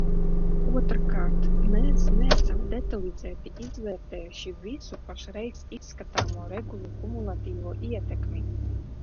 Otrkārt, mēs neesam detalizēti izvērtējuši visu pašreiz izskatāmo regulu kumulatīvo ietekmi.